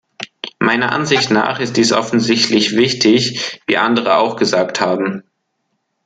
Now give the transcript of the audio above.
Meiner Ansicht nach ist dies offensichtlich wichtig, wie andere auch gesagt haben.